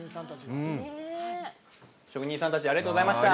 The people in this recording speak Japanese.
職人さんたち、ありがとうございました。